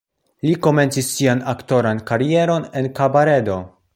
Li komencis sian aktoran karieron en kabaredo.